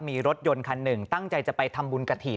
มีรถยนต์คันหนึ่งตั้งใจจะไปทำบุญกระถิ่น